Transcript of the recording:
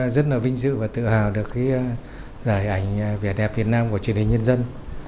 rất là vinh dự và tự hào được giải ảnh về đẹp việt nam của truyền hình nhân dân